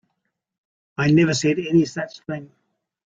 I never said any such thing.